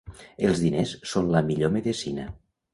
Els diners són la millor medecina.